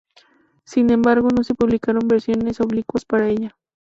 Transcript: Sin embargo, no se publicaron versiones oblicuas para ella.